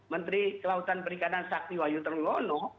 menteri kelautan perikanan sakti wahyu termwono